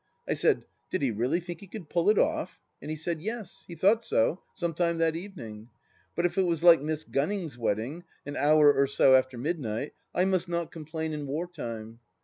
I said, Did he really think he could pull it off ? and he said Yes, he thought so, sometime that evening ; but if it was like Miss Gunning's wedding, an hour or so after midnight, I must not complain in war time.